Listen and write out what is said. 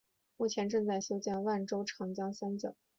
目前正在修建万州长江三桥。